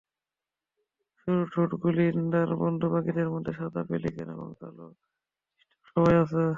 সরু ঠোঁট-গুলিন্দার বন্ধু পাখিদের মধ্যে সাদা পেলিক্যান এবং কালো স্টর্ক সবাই আছে।